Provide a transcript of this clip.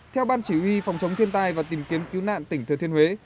theo ban chỉ huy phòng chống thiên tai và tìm kiếm cứu nạn tỉnh thừa thiên huế